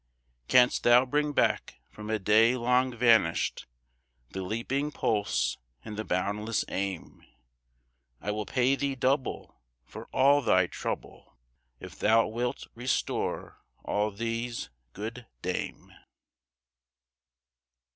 Canst thou bring back from a day long vanished The leaping pulse and the boundless aim? I will pay thee double for all thy trouble, If thou wilt restore all these, good dame.